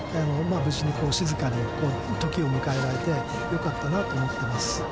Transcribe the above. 無事に静かに時を迎えられて、よかったなと思ってます。